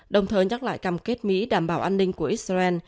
đồng thời nhắc lại cam kết mỹ đảm bảo an ninh của israel